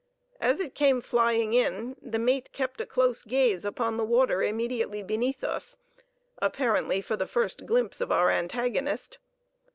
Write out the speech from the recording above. As it came flying in, the mate kept a close gaze upon the water immediately beneath us, apparently for the first glimpse of our antagonist.